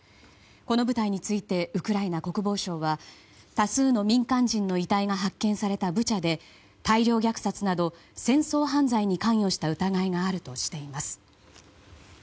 この部隊についてウクライナ国防省は多数の民間人の遺体が発見されたブチャで大量虐殺など戦争犯罪に関与した疑いがあるとしています。